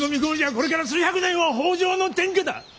これから数百年は北条の天下だ！